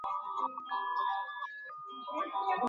আমার ঐখানেই গোল বেধেছিল।